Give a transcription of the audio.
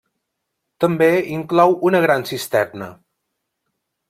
També inclou una gran cisterna.